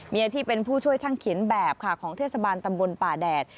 มีอาชีพเป็นผู้ช่วยช่างเขียนแบบค่ะของเทศบาลตำบลป่าแดด